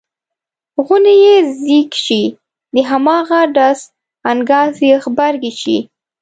غونی یې ځیږ شي د هماغه ډز انګاز یې غبرګې شي.